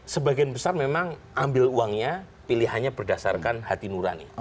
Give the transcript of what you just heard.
sebagian besar memang ambil uangnya pilihannya berdasarkan hati nurani